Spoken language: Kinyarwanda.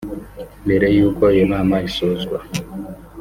Mbere y’ uko iyo nama isozwa